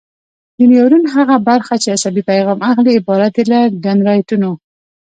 د نیورون هغه برخه چې عصبي پیغام اخلي عبارت دی له دندرایتونو.